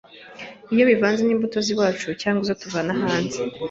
iyo bivanze n’imbuto z’iwacu cyangwa izo tuvana hanze